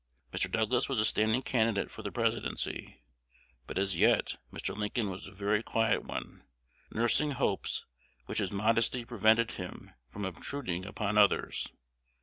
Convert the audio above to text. Mr. Douglas was a standing candidate for the Presidency; but as yet Mr. Lincoln was a very quiet one, nursing hopes which his modesty prevented him from obtruding upon others.